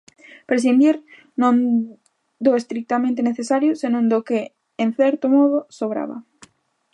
Prescindir non do estritamente necesario, senón do que, en certo modo, sobraba.